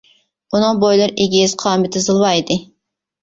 ئۇنىڭ بويلىرى ئېگىز، قامىتى زىلۋا ئىدى.